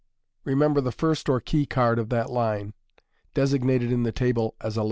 Remember the first or key card of that line, designated in the table as 11.